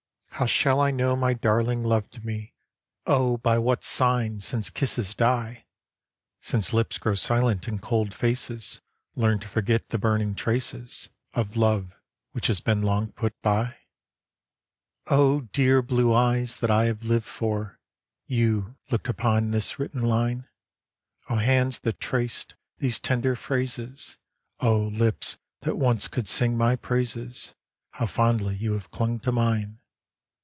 ; How shall I know my Darling loved me, Oh ! by what sign, since kisses die ? Since lips grow silent, and cold faces Learn to forget the burning traces Of love which has been long put by ? 6o Burning Letters, Oh ! dear blue eyes ! that I have lived for ! You looked upon this written line ! Oh ! hands that traced these tender phrases ! Oh ! lips, that once could sing my praises, How fondly you have clung to mine